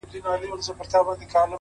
خو دې به سمعې څو دانې بلــــي كړې”